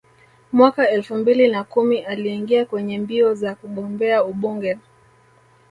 Mwaka elfu mbili na kumi aliingia kwenye mbio za kugombea ubunge